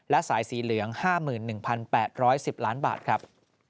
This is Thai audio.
และสายสีเหลือง๕๑๘๑๐ล้านบาทครับ